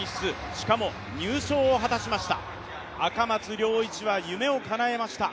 しかも、入賞を果たしました、赤松諒一は夢をかなえました。